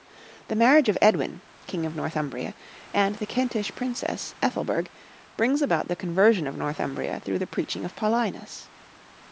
The marriage of Edwin, king of Northumbria, and the Kentish princess, Ethelberg, brings about the conversion of Northumbria through the preaching of Paulinus.